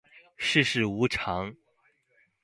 世事无常